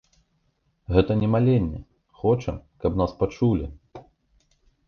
Гэта не маленне, хочам, каб нас пачулі.